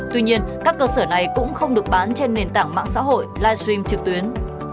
tuy nhiên các cơ sở này cũng không được bán trên nền tảng mạng xã hội livestream trực tuyến